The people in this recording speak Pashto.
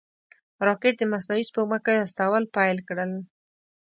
راکټ د مصنوعي سپوږمکیو استول پیل کړل